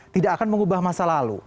tidak akan mengubah masa lalu